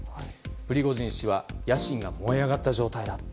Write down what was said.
プリゴジン氏は野心が燃え上がった状態だと。